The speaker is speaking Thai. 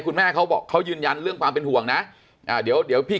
เขาบอกเขายืนยันเรื่องความเป็นห่วงนะอ่าเดี๋ยวเดี๋ยวพี่